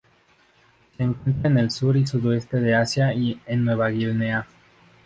Se encuentra en el sur y sudeste de Asia y en Nueva Guinea.